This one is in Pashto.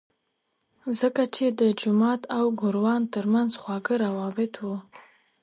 ځکه چې د جومات او ګوروان ترمنځ خواږه روابط وو.